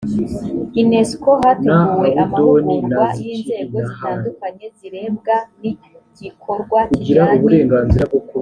unesco hateguwe amahugurwa y inzego zitandukanye zirebwa n igikorwa kijyanye